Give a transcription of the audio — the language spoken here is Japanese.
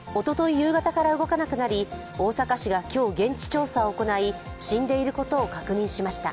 夕方から動かなくなり大阪市が今日、現地調査を行い死んでいることを確認しました。